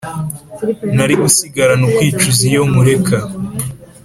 nari gusigarana ukwicuzaiyo nkureka